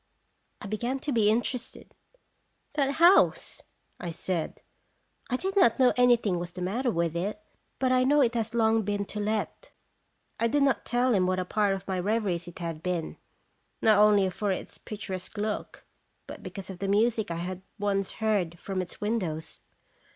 I began to be interested. " That house!" I said. "I did not know anything was the matter with it. But I know it has long been to let." I did not tell him what a part of my reveries it had been not only for its pictur esque look, but because of the music I had once heard from its windows.